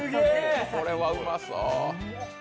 これはうまそ。